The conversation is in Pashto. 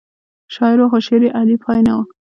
شاعر و خو شعر یې اعلی پای نه و.